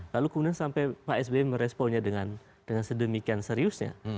lalu kemudian sampai pak sby meresponnya dengan sedemikian seriusnya